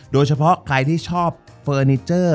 โดยเฉพาะใครที่ชอบเฟอร์นิเจอร์